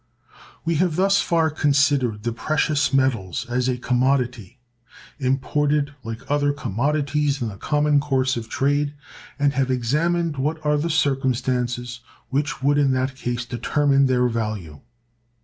We have thus far considered the precious metals as a commodity, imported like other commodities in the common course of trade, and have examined what are the circumstances which would in that case determine their value.